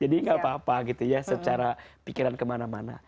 jadi enggak apa apa gitu ya secara pikiran kemana mana